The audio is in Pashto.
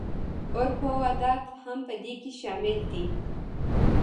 عرف او عادت هم په دې کې شامل دي.